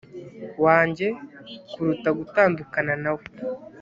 wanjye kuruta gutandukana na we